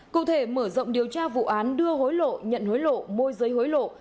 cụ thể mở rộng điều tra vụ án đưa hối lộ nhận hối lộ môi giới hối lộ